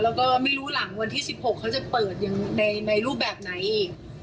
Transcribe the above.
แล้วก็ไม่รู้หลังวันที่๑๖เขาจะเปิดยังในรูปแบบไหนอีก